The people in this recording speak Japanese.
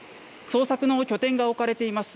捜索の拠点が置かれています